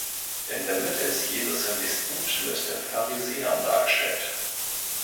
In der Mitte ist Jesus im Disput mit den Pharisäern dargestellt.